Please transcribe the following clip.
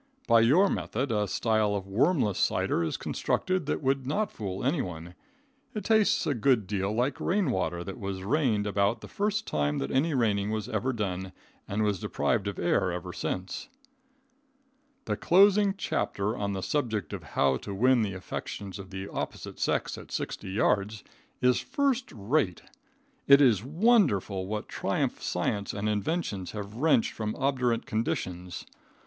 By your method, a style of wormless cider is constructed that would not fool anyone. It tastes a good deal like rain water that was rained about the first time that any raining was ever done, and was deprived of air ever since. [Illustration: HOW TO WIN AFFECTION.] The closing chapter on the subject of "How to win the affections of the opposite sex at sixty yards," is first rate. It is wonderful what triumph science and inventions have wrenched from obdurate conditions!